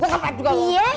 gua ngepet juga loh